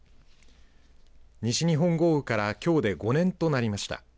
西日本豪雨からきょうで５年となりました。